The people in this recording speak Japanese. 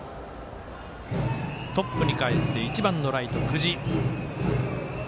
トップにかえって１番のライト、久慈。